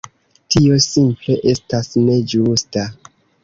Tio simple estas ne ĝusta.